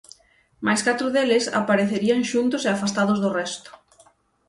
Mais catro deles aparecerían xuntos e afastados do resto.